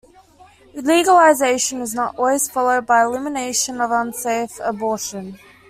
Legalization is not always followed by elimination of unsafe abortion.